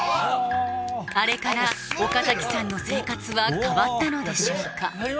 あれから岡崎さんの生活は変わったのでしょうか？